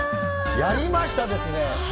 やりましたですね。